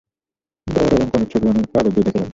বর এবং কনের ছবি আমি কাগজ দিয়ে ঢেকে রাখব।